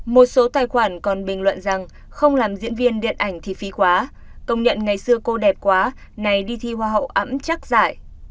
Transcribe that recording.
một số tài khoản còn bình luận rằng không làm diễn viên điện ảnh thì phí quá công nhận ngày xưa cô đẹp quá nay đi thi hoa hậu ẵm chắc dài